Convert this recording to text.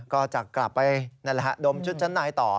ก็จะกลับไปดมชุดชะในต่อ